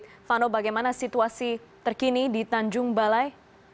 silvano bagaimana situasi terkini di tanjung balai